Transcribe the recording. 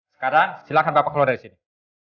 sekarang silahkan bapak keluar dari sini